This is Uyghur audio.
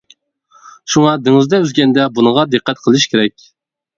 شۇڭا دېڭىزدا ئۈزگەندە بۇنىڭغا دىققەت قىلىش كېرەك.